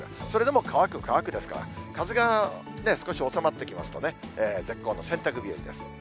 それでも乾く、乾くですから、風がね、少し収まってきますとね、絶好の洗濯日和です。